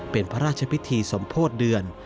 เป็นพระราชพิธีสมโพธิเดือน